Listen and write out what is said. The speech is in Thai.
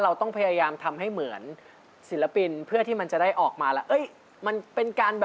ฮักอายชอบมาจนแย่ส่อยให้เป็นรักแท้สู่เรา